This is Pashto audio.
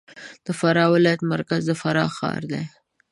د فراه ولایت مرکز د فراه ښار دی